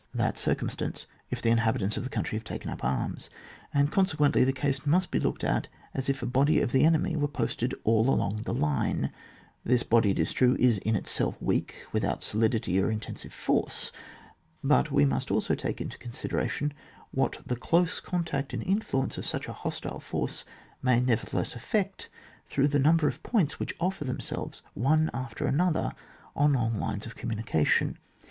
that circumstance, if the inhabitants of the country have taken up arms; and consequently the case must be looked at as if a body of the enemy was posted all along the line ; this body, it is true, is in itself weak without solidity or inten sive force ; but we must also take into consideration what the close contact and influence of such a hostile force may nevertheless effect through the number of points which offer themselves one after another on long lines of communication.